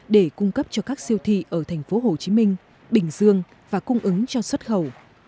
để cung cấp cho các siêu thị ở thành phố hồ chí minh bình dương và cung ứng cho xuất khẩu